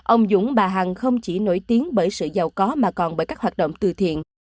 ông dũng bà hằng không chỉ nổi tiếng bởi sự giàu có mà còn bởi các hoạt động từ thiện